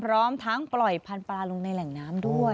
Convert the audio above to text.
พร้อมทั้งปล่อยพันธุปลาลงในแหล่งน้ำด้วย